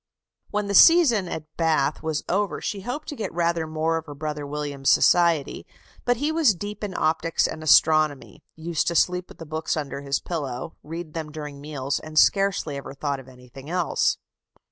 When the season at Bath was over, she hoped to get rather more of her brother William's society; but he was deep in optics and astronomy, used to sleep with the books under his pillow, read them during meals, and scarcely ever thought of anything else.